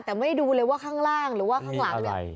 แต่ไม่ได้ดูเลยว่าข้างล่างหรือว่าข้างหลังเนี่ย